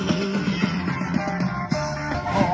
สวัสดีครับทุกคน